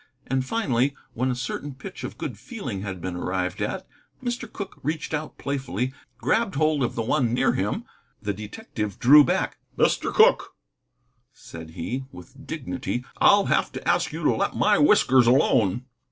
And finally, when a certain pitch of good feeling had been arrived at, Mr. Cooke reached out and playfully grabbed hold of the one near him. The detective drew back. "Mr. Cooke," said he, with dignity, "I'll have to ask you to let my whiskers alone."